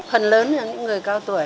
phần lớn là những người cao tuổi